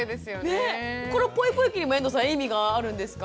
この「ポイポイ期」にも遠藤さん意味があるんですか？